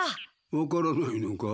わからないのか？